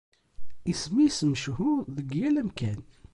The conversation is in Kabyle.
Isem-is mechur deg yal amkan.